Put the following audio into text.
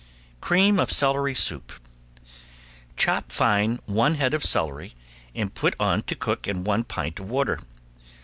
~CREAM OF CELERY SOUP~ Chop fine one head of celery and put on to cook in one pint of water.